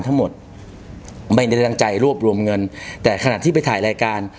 ทั้งหมดไม่ได้ตั้งใจรวบรวมเงินแต่ขณะที่ไปถ่ายรายการ